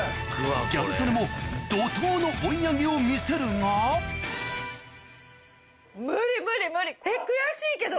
ギャル曽根も怒濤の追い上げを見せるが悔しいけど。